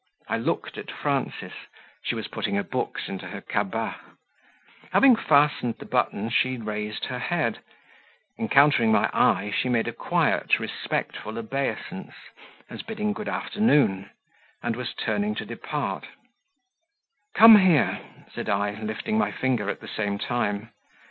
I looked at Frances, she was putting her books into her cabas; having fastened the button, she raised her head; encountering my eye, she made a quiet, respectful obeisance, as bidding good afternoon, and was turning to depart: "Come here," said I, lifting my finger at the same time.